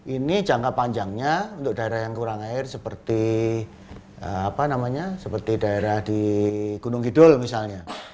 ini jangka panjangnya untuk daerah yang kurang air seperti apa namanya seperti daerah di gunung kidul misalnya